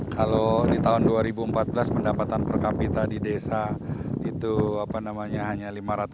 kalau di tahun dua ribu empat belas pendapatan per kapita di desa itu apa namanya hanya lima ratus